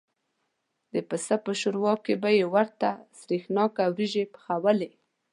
د پسه په شوروا کې به یې ورته سرېښناکه وریجې پخوالې.